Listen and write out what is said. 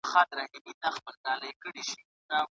عوامو مجلسی څنګه له مشرانو جرګې سره کار کوي؟